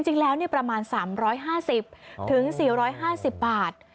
จริงแล้วประมาณ๓๕๐๔๕๐บาท